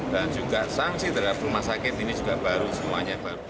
dan juga sanksi terhadap rumah sakit ini juga baru semuanya